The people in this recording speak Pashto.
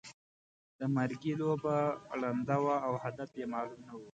د مرګي لوبه ړنده وه او هدف یې معلوم نه وو.